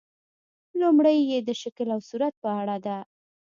لومړۍ یې د شکل او صورت په اړه ده.